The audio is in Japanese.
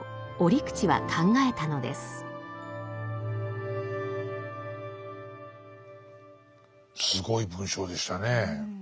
すごい文章でしたねえ。